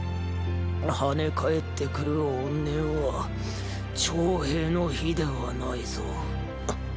はね返ってくる怨念は長平の比ではないぞ。！